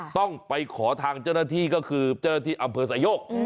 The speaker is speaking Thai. ต้องไปขอทางเจ้าหน้าที่ก็คือเจ้าหน้าที่อำเภอสายโยก